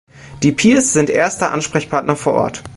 Die Peers sind erster Ansprechpartner vor Ort.